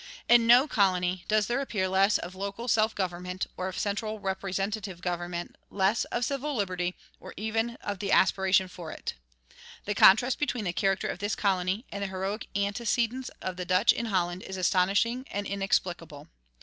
In no colony does there appear less of local self government or of central representative government, less of civil liberty, or even of the aspiration for it. The contrast between the character of this colony and the heroic antecedents of the Dutch in Holland is astonishing and inexplicable.